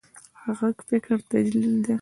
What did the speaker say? غږ د فکر تجلی ده